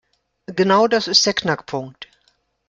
Genau das ist der Knackpunkt.